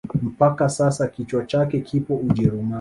Mpaka sasa kichwa chake kipo ujerumani